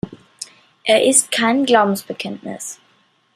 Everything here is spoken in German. Er ist kein Glaubensbekenntnis.